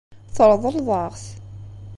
Tṛeḍleḍ-aɣ-t.